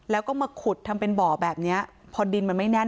แล้วก็มาขุดทำเป็นบ่อแบบนี้พอดินมันไม่แน่น